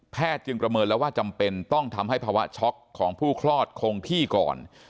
จึงประเมินแล้วว่าจำเป็นต้องทำให้ภาวะช็อกของผู้คลอดคงที่ก่อน